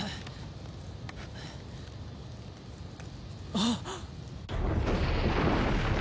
あっ！